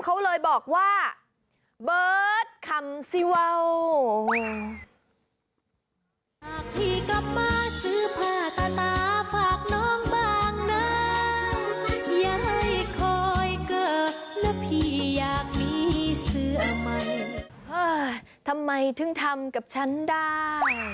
เฮ้อทำไมถึงทำกับฉันได้